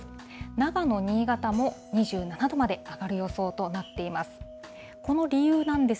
長野、新潟も２７度まで上がる予想となっています。